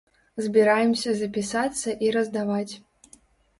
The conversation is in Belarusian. Збіраемся запісацца і раздаваць.